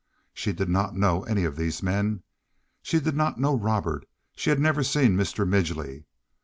She did not know any of these men. She did not know Robert. She had never seen Mr. Midgely.